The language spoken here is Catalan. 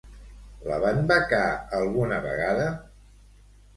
La van becar alguna vegada?